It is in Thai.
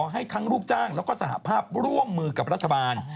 ให้ทั้งลูกจ้างแล้วก็สหภาพร่วมมือกับรัฐบาล